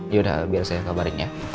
yaudah biar saya kabarin ya